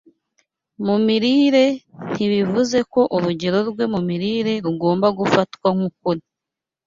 mu mirire ntibivuze ko urugero rwe mu mirire rugomba gufatwa nk’ukuri